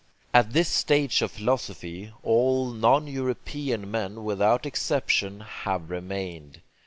At this stage of philosophy all non European men without exception have remained.